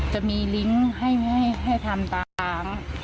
จะมีลิงค์ให้ทำตาม